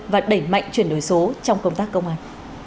và đẩy mạnh chuyển đổi số trong công tác công an